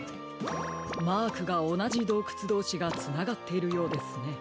マークがおなじどうくつどうしがつながっているようですね。